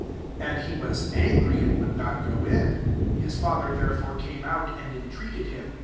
28 ^ And he was angry, wonld not go in: his fathesi therefore came out, and treated him.